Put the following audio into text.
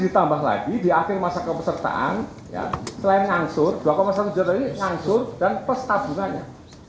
ditambah lagi di akhir masa kepesertaan selain ngangsur dua satu juta ini ngangsur dan pesabungannya